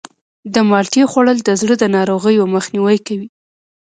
د مالټې خوړل د زړه د ناروغیو مخنیوی کوي.